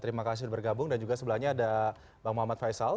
terima kasih sudah bergabung dan juga sebelahnya ada bang muhammad faisal